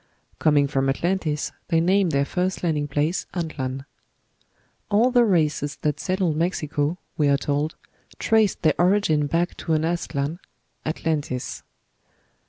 Coming from Atlantis, they named their first landing place Antlan. All the races that settled Mexico, we are told, traced their origin back to an Aztlan (Atlan tis).